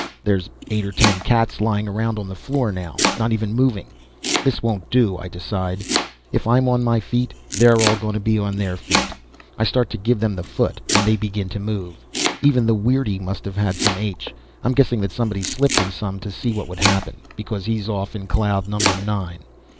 There's eight or ten cats lying around on the floor now, not even moving. This won't do, I decide. If I'm on my feet, they're all going to be on their feet. I start to give them the foot and they begin to move. Even the weirdie must've had some H. I'm guessing that somebody slipped him some to see what would happen, because he's off on Cloud Number Nine.